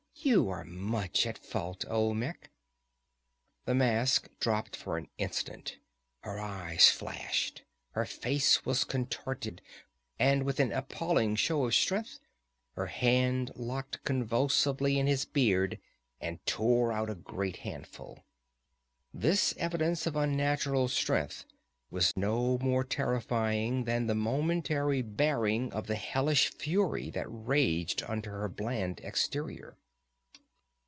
You are much at fault, Olmec!" The mask dropped for an instant; her eyes flashed, her face was contorted and with an appalling show of strength her hand locked convulsively in his beard and tore out a great handful. This evidence of unnatural strength was no more terrifying than the momentary baring of the hellish fury that raged under her bland exterior.